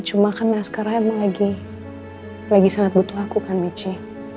cuma kan askara emang lagi sangat butuh aku kan mici